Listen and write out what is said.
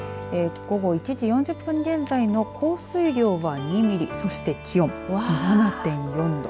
午後１時４０分現在の降水量は２ミリそして気温７．４度。